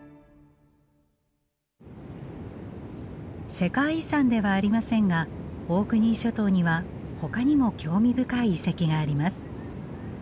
世界遺産ではありませんがオークニー諸島にはほかにも興味深い遺跡があります。